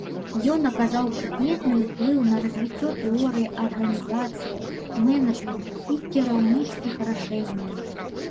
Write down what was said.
Ён аказаў прыкметны ўплыў на развіццё тэорыі арганізацыі, менеджменту і кіраўніцкіх рашэнняў.